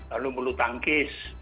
lalu bulu tangkis